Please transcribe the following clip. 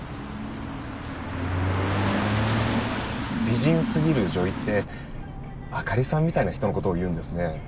美人すぎる女医って明里さんみたいな人のことを言うんですね